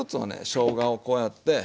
しょうがをこうやって。